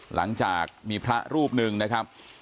หลังจากมีพระรูปหนึ่งค่ะ